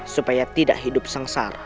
supaya tidak hidup sengsara